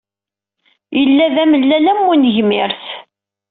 Yella d amellal am unegmirs.